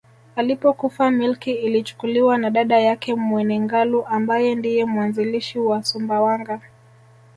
Alipokufa milki ilichukuliwa na dada yake Mwene Ngalu ambaye ndiye mwanzilishi wa Sumbawanga